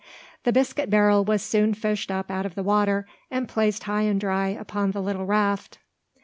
The biscuit barrel was soon fished up out of the water, and placed high and dry upon the little raft.